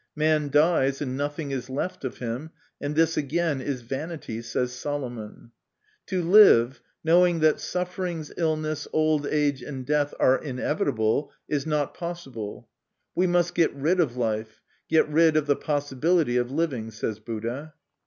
Man dies and nothing is left of him, and this again is vanity, says Solomon. " To live, knowing that sufferings, illness, old age, and death are inevitable, is not possible ; we must get rid of life, get rid of the possibility of living," says Buddha.